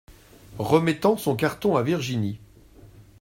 Remettant son carton à Virginie.